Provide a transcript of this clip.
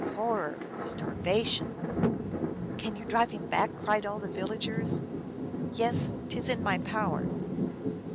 Horror ! starvation !"" Can you drive him back ?" cried all the villagers. " Yes, t is in my power.